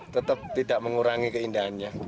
tetap tidak mengurangi keindahannya